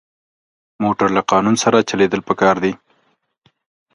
موټر له قانون سره چلېدل پکار دي.